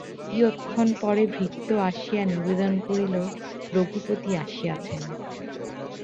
কিয়ৎক্ষণ পরে ভৃত্য আসিয়া নিবেদন করিল, রঘুপতি আসিয়াছেন।